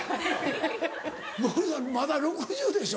モーリーさんまだ６０でしょ？